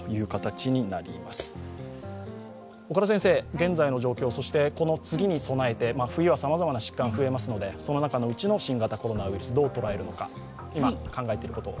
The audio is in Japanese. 現在の状況、この次に備えて、冬は様々な疾患が増えますのでその中のうちの新型コロナウイルスどう捉えるのか。